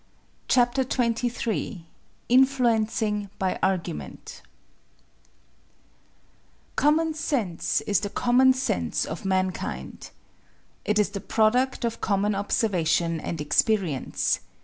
CHAPTER XXIII INFLUENCING BY ARGUMENT Common sense is the common sense of mankind. It is the product of common observation and experience.